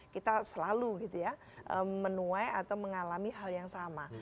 kita selalu menuai atau mengalami hal yang sama